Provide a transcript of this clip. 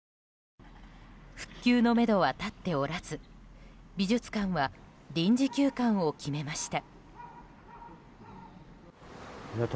復旧のめどは立っておらず美術館は臨時休館を決めました。